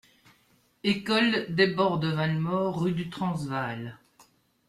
École Desbordes-Valmore Rue du Transvaal.